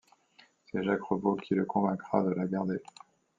C'est Jacques Revaux qui le convaincra de la garder.